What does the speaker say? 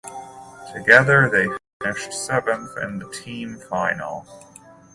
Together they finished seventh in the team final.